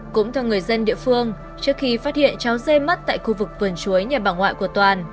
cũng theo người dân địa phương trước khi phát hiện cháu d mất tại khu vực vườn chuối nhà bà ngoại của toàn